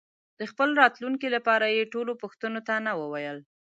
د خپل راتلونکي لپاره یې ټولو پوښتنو ته نه وویل.